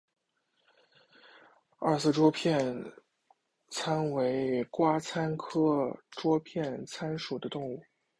二色桌片参为瓜参科桌片参属的动物。